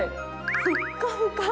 ふっかふか。